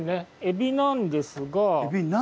エビなんですが？